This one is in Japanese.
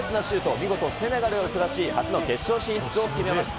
見事、セネガルを下し、初の決勝進出を決めました。